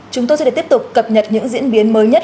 chúng tôi sẽ được tiếp tục cập nhật những diễn biến mới nhất